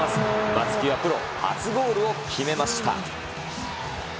松木はプロ初ゴールを決めました。